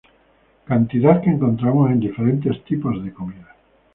Cantidad que encontramos en diferentes tipos de comida.